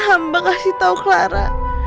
hamba kasih tau clara